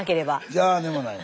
「じゃあね」もない。